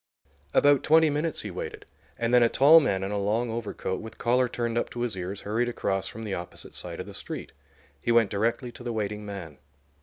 About twenty minutes he waited, and then a tall man in a long overcoat, with collar turned up to his ears, hurried across from the opposite side of the street. He went directly to the waiting man.